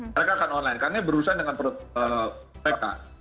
mereka akan online karena berusaha dengan perut mereka